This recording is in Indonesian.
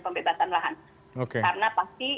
pembebasan lahan karena pasti